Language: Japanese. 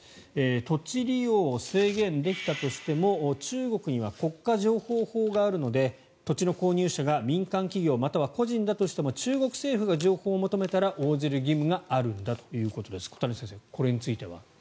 土地利用を制限できたとしても中国には国家情報法があるので土地の購入者が民間企業または個人だとしても中国政府が情報を求めたら応じる義務があるんだということですが小谷先生、これについては。